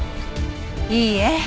いいえ。